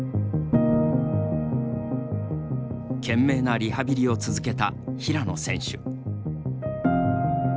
懸命なリハビリを続けた平野選手。